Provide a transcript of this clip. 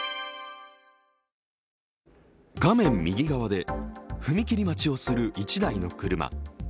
画面右側で踏切待ちをする１台の車。